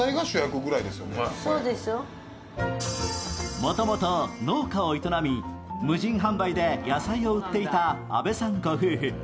もともと、農家を営み無人販売で野菜を売っていた阿部さん夫婦。